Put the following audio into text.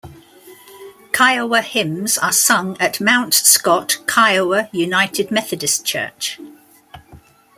Kiowa hymns are sung at Mount Scott Kiowa United Methodist Church.